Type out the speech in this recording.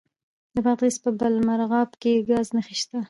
د بادغیس په بالامرغاب کې د ګاز نښې شته.